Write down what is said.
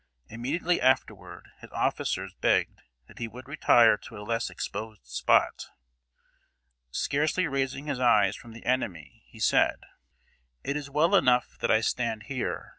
Immediately afterward, his officers begged that he would retire to a less exposed spot. Scarcely raising his eyes from the enemy, he said: "It is well enough that I stand here.